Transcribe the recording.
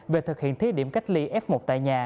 về thực hiện thí điểm cách ly f một tại nhà